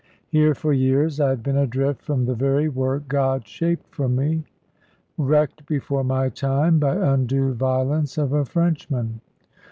Here for years I had been adrift from the very work God shaped me for, wrecked before my time by undue violence of a Frenchman.